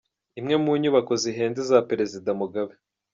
imwe mu nyubako zihenze za perezida Mugabe